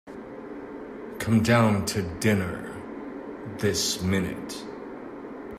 Come down to dinner this minute.